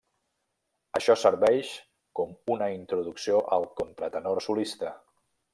Això serveix com una introducció al contratenor solista.